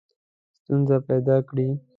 ستونزي پیدا کړي.